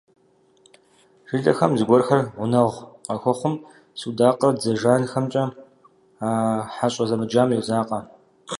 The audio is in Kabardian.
Жылэхэм зыгуэрхэр гъунэгъу къыхуэхъум, судакъыр дзэ жанхэмкӀэ а хьэщӀэ зэмыджам йодзакъэ.